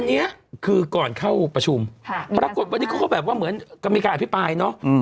อันนี้คือก่อนเข้าประชุมปรากฏวันนี้เขาก็แบบว่าเหมือนกับมีการอภิปรายเนอะ